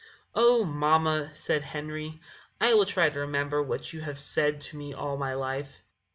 "Oh, mamma," said Henry, "I will try to remember what you have said to me all my life."